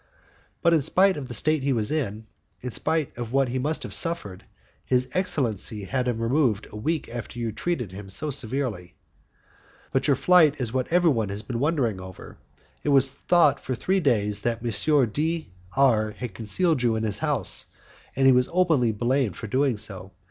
"But in spite of the state he was in, in spite of what he must have suffered, his excellency had him removed a week after you had treated him so severely. But your flight is what everyone has been wondering over. It was thought for three days that M. D R had concealed you in his house, and he was openly blamed for doing so.